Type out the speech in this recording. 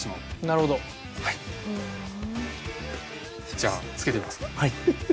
じゃあ付けてみますか。